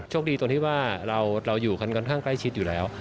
คดีตรงที่ว่าเราอยู่กันค่อนข้างใกล้ชิดอยู่แล้ว